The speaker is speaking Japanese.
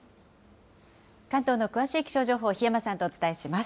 関東の詳しい気象情報、檜山さんとお伝えします。